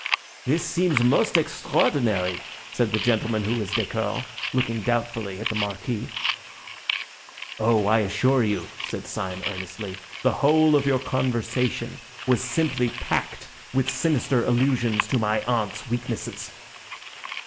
"This seems most extraordinary," said the gentleman who was décoré, looking doubtfully at the Marquis. "Oh, I assure you," said Syme earnestly, "the whole of your conversation was simply packed with sinister allusions to my aunt's weaknesses."